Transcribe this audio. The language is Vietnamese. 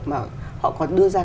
mà họ còn đưa ra